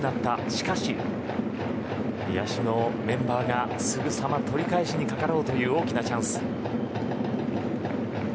しかし、野手のメンバーがすぐさま取り返しにかかろうという大きなチャンス。